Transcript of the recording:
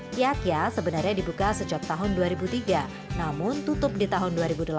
kiyakya sebenarnya dibuka sejak tahun dua ribu tiga namun tutup di tahun dua ribu delapan belas